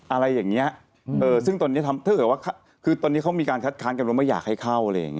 อะไรอย่างนี้ซึ่งตอนนี้เขามีการคัดค้างกับว่าอยากให้เข้า